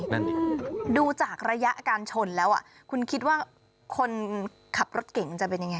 นั่นสิดูจากระยะการชนแล้วอ่ะคุณคิดว่าคนขับรถเก่งมันจะเป็นยังไง